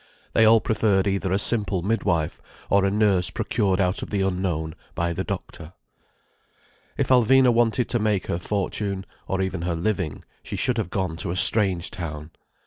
They all preferred either a simple mid wife, or a nurse procured out of the unknown by the doctor. If Alvina wanted to make her fortune—or even her living—she should have gone to a strange town.